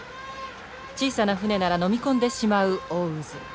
小さな船ならのみ込んでしまう大渦。